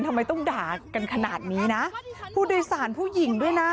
ทำไมต้องด่ากันขนาดนี้นะผู้โดยสารผู้หญิงด้วยนะ